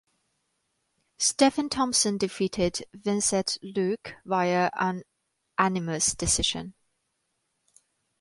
Stephen Thompson defeated Vicente Luque via unanimous decision.